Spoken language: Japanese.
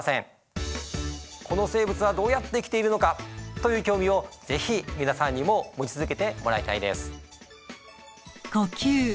「この生物はどうやって生きているのか？」という興味を是非皆さんにも持ち続けてもらいたいです。